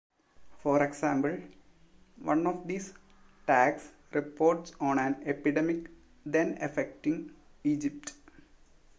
For example, one of these tags reports on an epidemic then affecting Egypt.